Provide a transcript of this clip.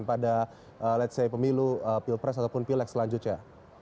pada let's say pemilu pilpres ataupun pileks selanjutnya